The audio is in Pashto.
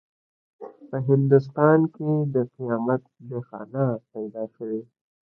په هندوستان کې د قیامت نښانه پیدا شوې ده.